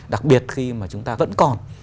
đặc biệt khi mà chúng ta vẫn còn